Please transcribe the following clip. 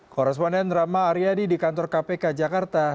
korresponden rama aryadi di kantor kpk jakarta